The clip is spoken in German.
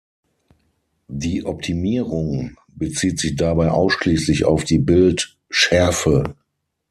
Die „Optimierung“ bezieht sich dabei ausschließlich auf die Bild"schärfe".